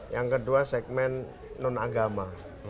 yang kedua segmen non agama